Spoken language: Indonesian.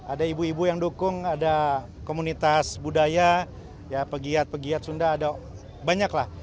ada ibu ibu yang dukung ada komunitas budaya pegiat pegiat sunda ada banyak lah